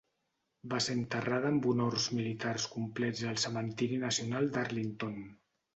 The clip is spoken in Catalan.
Va ser enterrada amb honors militars complets al cementiri nacional d'Arlington.